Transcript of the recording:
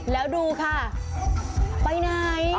แล้วดูค่ะไปไหน